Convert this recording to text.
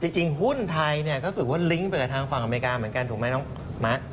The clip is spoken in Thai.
จริงหุ้นไทยเนี่ยก็รู้สึกว่าลิงก์ไปกับทางฝั่งอเมริกาเหมือนกันถูกไหมน้องมะ